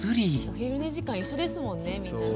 お昼寝時間一緒ですもんねみんなね。